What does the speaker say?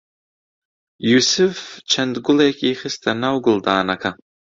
یووسف چەند گوڵێکی خستە ناو گوڵدانەکە.